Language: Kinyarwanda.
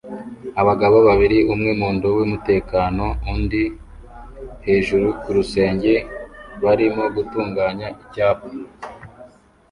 abagabo babiri umwe mu ndobo yumutekano undi hejuru kurusenge barimo gutunganya icyapa